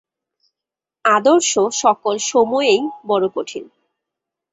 আদর্শ সকল সময়েই বড় কঠিন।